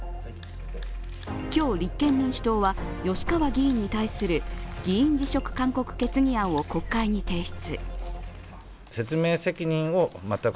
今日、立憲民主党は吉川議員に対する、議員辞職勧告決議案を国会に提出。